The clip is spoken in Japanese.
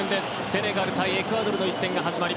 セネガル対エクアドルの一戦。